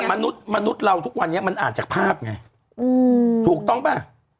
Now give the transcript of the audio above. มนุษย์มนุษย์เราทุกวันนี้มันอ่านจากภาพไงถูกต้องป่ะ